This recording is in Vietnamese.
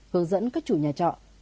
hướng dẫn các chủ nhà trọ